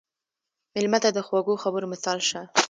مېلمه ته د خوږو خبرو مثال شه.